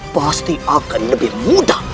pasti akan lebih mudah